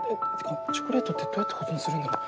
チョコレートってどうやって保存するんだろう。